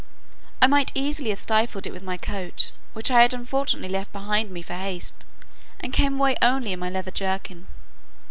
I might easily have stifled it with my coat, which I unfortunately left behind me for haste, and came away only in my leathern jerkin.